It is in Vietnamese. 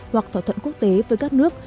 hoặc thỏa thuận quốc tế với các nước